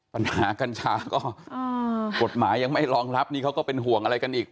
ปัญหากัญชาก็กฎหมายยังไม่รองรับนี่เขาก็เป็นห่วงอะไรกันอีก